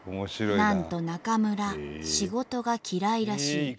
なんとナカムラ仕事が嫌いらしい。